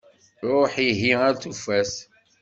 Ruḥ ihi ar-tufat.